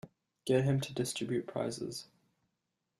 Get him to distribute prizes.